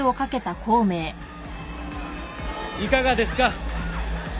いかがですか？